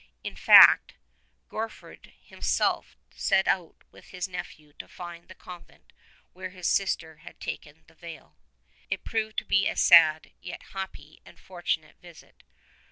In fact Gorfoed him self set out with his nephew to find the convent where his sister had taken the veil. It proved to be a sad, yet a happy and fortunate, visit.